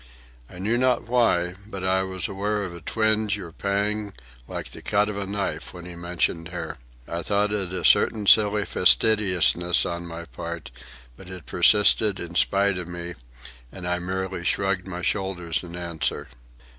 I know not why, but I was aware of a twinge or pang like the cut of a knife when he mentioned her. I thought it a certain silly fastidiousness on my part, but it persisted in spite of me, and I merely shrugged my shoulders in answer.